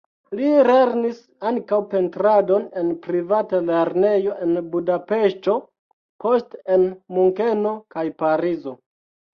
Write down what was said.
Li lernis ankaŭ pentradon en privata lernejo en Budapeŝto, poste en Munkeno kaj Parizo.